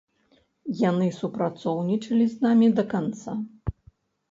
Яны супрацоўнічалі з намі да канца.